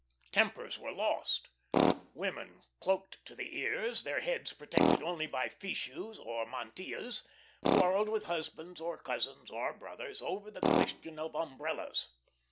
Tempers were lost; women, cloaked to the ears, their heads protected only by fichus or mantillas, quarrelled with husbands or cousins or brothers over the question of umbrellas.